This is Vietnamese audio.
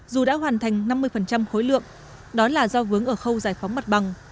dù đã hoàn thành năm mươi khối lượng đó là do vướng ở khâu giải phóng mặt bằng